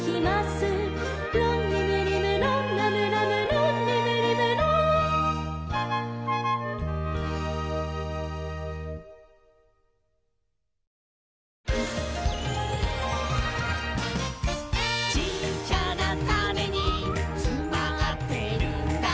「ロンリムリムロンラムラムロンリムリムロン」「ちっちゃなタネにつまってるんだ」